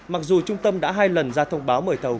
mặc dù trung tâm đã hai lần ra thông báo mời thầu